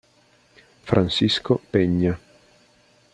Francisco Peña